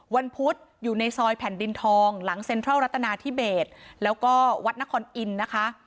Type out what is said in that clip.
พุธอยู่ในซอยแผ่นดินทองหลังเซ็นทรัลรัตนาธิเบสแล้วก็วัดนครอินทร์นะคะ